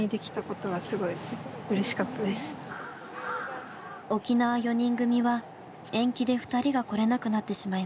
沖縄４人組は延期で２人が来れなくなってしまいました。